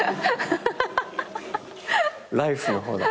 ライフの方だ。